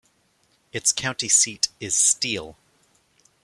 Its county seat is Steele.